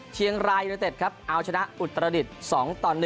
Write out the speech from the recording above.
เชียงรายยูนิเต็ดครับเอาชนะอุตรดิษฐ์๒ต่อ๑